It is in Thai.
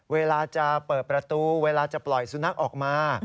เวลาจะเปิดประตูเวลาจะปล่อยสุนัขออกมา